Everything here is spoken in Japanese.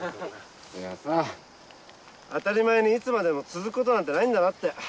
いやさ当たり前にいつまでも続くことなんてないんだなって。